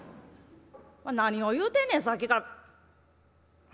何を言うてんねんさっきから。